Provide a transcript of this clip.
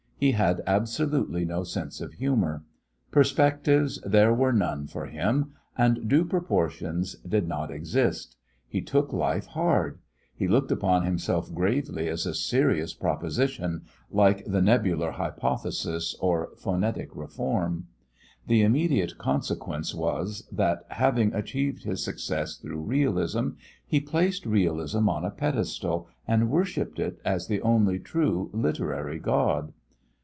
He had absolutely no sense of humour. Perspectives there were none for him, and due proportions did not exist. He took life hard. He looked upon himself gravely as a serious proposition, like the Nebular Hypothesis or Phonetic Reform. The immediate consequence was that, having achieved his success through realism, he placed realism on a pedestal and worshipped it as the only true (literary) god.